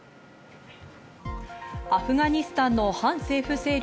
アフガニスタンの反政府勢力